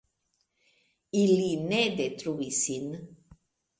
Ili ne detruis sin.